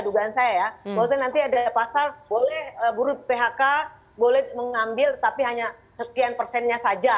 bahwasannya nanti ada pasar boleh buruh phk boleh mengambil tapi hanya sekian persennya saja